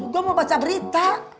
gue mau baca berita